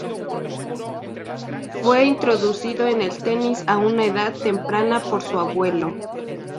Fue introducido en el tenis a una edad temprana por su abuelo.